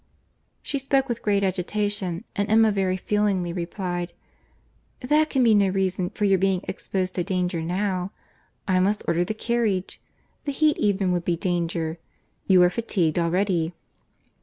She spoke with great agitation; and Emma very feelingly replied, "That can be no reason for your being exposed to danger now. I must order the carriage. The heat even would be danger.—You are fatigued already."